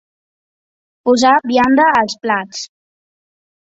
Posar vianda als plats.